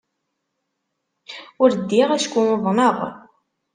Ur ddiɣ acku uḍneɣ.